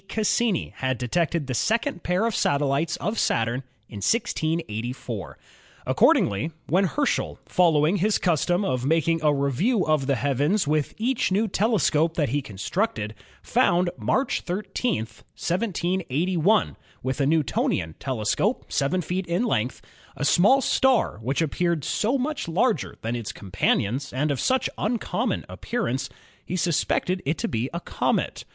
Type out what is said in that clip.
Cassini (1625 1712) had detected the second pair of satellites of Saturn in 1684. Accordingly, when Herschel, following his custom 82 ASTRONOMY of making a review of the heavens with each new tele scope that he constructed, found March 13, 1781, with a Newtonian telescope, seven feet in length, a small star which appeared so much larger than its companions and of such uncommon appearance, he suspected it to be a comet.